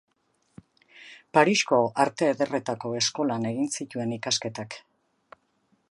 Parisko Arte Ederretako Eskolan egin zituen ikasketak.